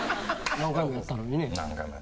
何回もやったのにね。